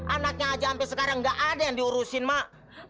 anaknya aja sampai sekarang gak ada yang diurusin mak